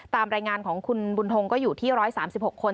ตามรายงานของคุณบุญทงก็อยู่ที่๑๓๖คน